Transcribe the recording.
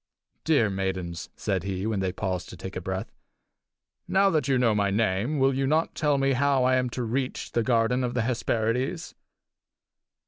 "Dear maidens," said he, when they paused to take breath, "now that you know my name, will you not tell me how I am to reach the garden of the Hesperides?"